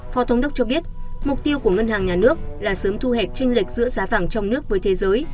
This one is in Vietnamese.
phó thống đốc cho biết mục tiêu của ngân hàng nhà nước là sớm thu hẹp tranh lệch giữa giá vàng trong nước với thế giới